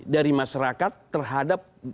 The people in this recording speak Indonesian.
dari masyarakat terhadap